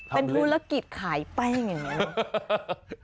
เป็นธุรกิจขายแป้งอย่างนี้เหรอ